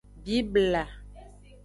Bibla.